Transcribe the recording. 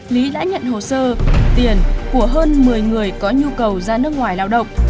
lý đã nhận hồ sơ tiền của hơn một mươi người có nhu cầu ra nước ngoài lao động